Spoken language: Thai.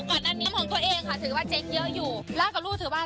แต่อันนี้คือเราค่อยเป็นค่อยไป